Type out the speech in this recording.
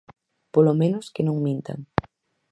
Polo menos, que non mintan.